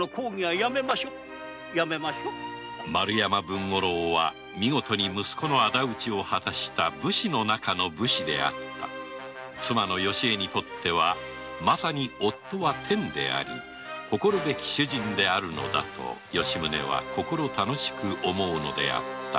文五郎は息子の敵討ちを遂げた武士の中の武士であった妻の良江にとってはまさに夫は天であり誇るべき主人だったと吉宗は心楽しく思うのであった